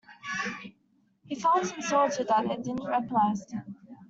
He felt insulted that they didn't recognise him.